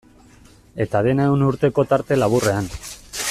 Eta dena ehun urteko tarte laburrean.